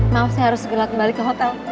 maaf saya harus segera kembali ke hotel